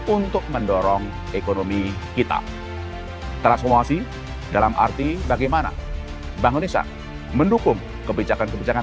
untuk mendorong ekonomi kita transformasi dalam arti bagaimana bank indonesia mendukung kebijakan kebijakan